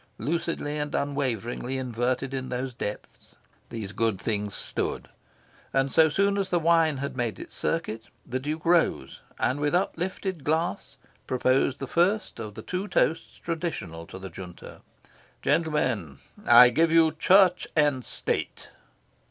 Lucidly, and unwaveringly inverted in the depths these good things stood; and, so soon as the wine had made its circuit, the Duke rose and with uplifted glass proposed the first of the two toasts traditional to the Junta. "Gentlemen, I give you Church and State."